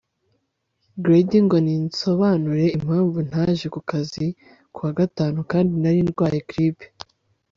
gladys ngo ninsobanure impamvu ntaje ku kazi kuwa gatanu kandi nari narwaye grippe